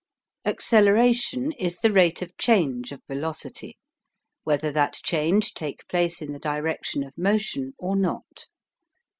ACCELERATION is the rate of change of velocity, whether that change take place in the direction of motion or not.